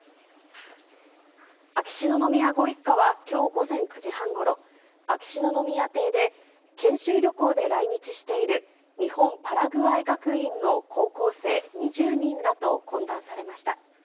秋篠宮ご一家は、きょう午前９時半ごろ、秋篠宮邸で研修旅行で来日している日本パラグアイ学院の高校生２０人らと懇談されました。